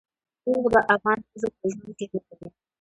اوښ د افغان ښځو په ژوند کې رول لري.